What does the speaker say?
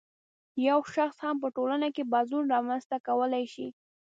یو شخص هم په ټولنه کې بدلون رامنځته کولای شي.